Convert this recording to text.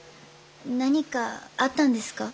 何かあったんですか？